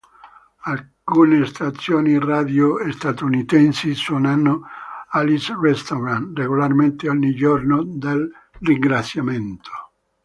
Alcune stazioni radio statunitensi suonano "Alice's Restaurant" regolarmente ogni giorno del Ringraziamento.